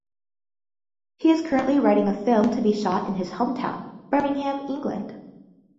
He is currently writing a film to be shot in his hometown, Birmingham, England.